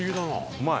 うまい。